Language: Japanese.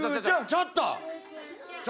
ちょっと！